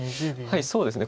そうですね